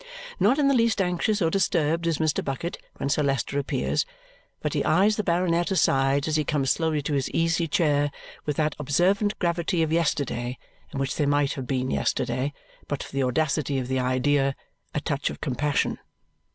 Not in the least anxious or disturbed is Mr. Bucket when Sir Leicester appears, but he eyes the baronet aside as he comes slowly to his easy chair with that observant gravity of yesterday in which there might have been yesterday, but for the audacity of the idea, a touch of compassion.